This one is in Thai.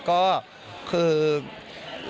ก็คือ